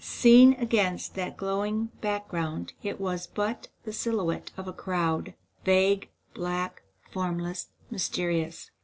Seen against that glowing background, it was but the silhouette of a crowd, vague, black, formless, mysterious.